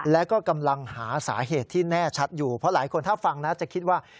แล้วก็กำลังหาสาเหตุที่แน่ชัดอยู่เพราะหลายคนถ้าฟังนะจะคิดว่า